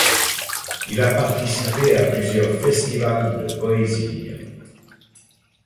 Il a participé à plusieurs festivals de poésie.